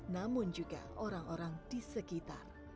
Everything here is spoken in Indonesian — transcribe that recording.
namun juga orang orang di sekitar